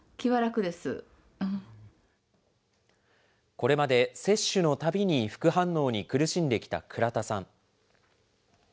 これまで、接種のたびに副反応に苦しんできた倉田さん。